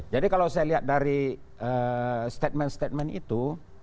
jadi kalau saya lihat dari statement statement itu